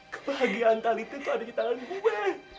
kebahagiaan talitha tuh ada di tangan gue